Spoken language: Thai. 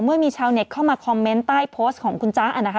เมื่อมีชาวเน็ตเข้ามาคอมเมนต์ใต้โพสต์ของคุณจ๊ะนะคะ